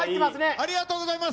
ありがとうございます。